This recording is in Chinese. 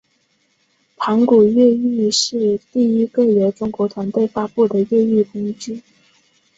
盘古越狱是第一个由中国团队发布的越狱工具。